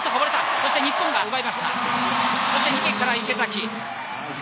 そして池から池崎。